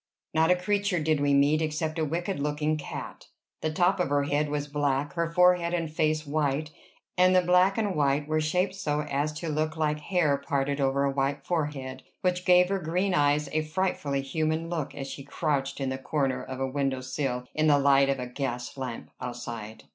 Not a creature did we meet, except a wicked looking cat. The top of her head was black, her forehead and face white; and the black and white were shaped so as to look like hair parted over a white forehead, which gave her green eyes a frightfully human look as she crouched in the corner of a window sill in the light of a gas lamp outside.